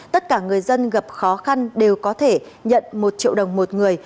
tất cả người dân gặp khó khăn đều có thể nhận một triệu đồng một người